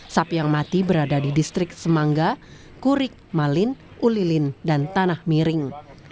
sapi yang mati berada di distrik semangga kurik malin ulilin dan tanah miring